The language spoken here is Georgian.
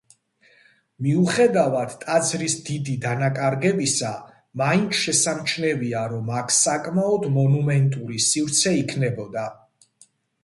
მიუხედავად ტაძრის დიდი დანაკარგებისა მაინც შესამჩნევია, რომ აქ საკმაოდ მონუმენტური სივრცე იქნებოდა.